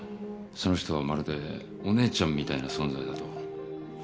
その人はまるでお姉ちゃんみたいな存在だと。